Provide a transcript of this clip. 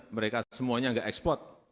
mereka semuanya enggak ekspor